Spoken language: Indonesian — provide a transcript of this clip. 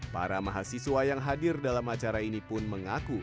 para mahasiswa yang hadir dalam acara ini pun mengaku